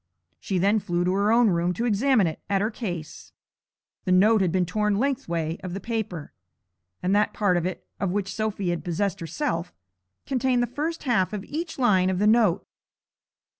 She then flew to her own room to examine it at her case. The note had been torn lengthway of the paper, and that part of it of which Sophy had possessed herself contained the first half of each line of the note.